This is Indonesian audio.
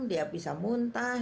dia bisa muntah